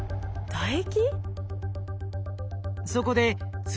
唾液？